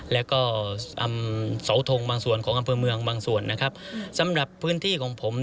และก็เสาทงบางส่วนของอำเภอเมืองสำหรับพื้นที่ของผม